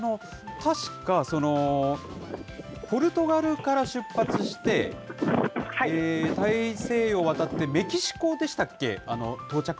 確か、ポルトガルから出発して、大西洋渡ってメキシコでしたっけ？